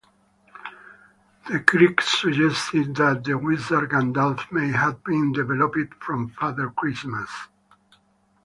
The Kriegs suggested that the wizard Gandalf may have been developed from Father Christmas.